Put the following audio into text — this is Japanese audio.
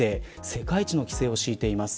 世界一の規制を敷いています。